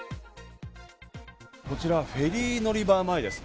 こちら、フェリー乗り場前です。